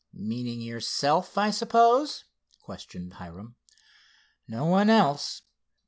"Meaning yourself, I suppose?" questioned Hiram. "No one else.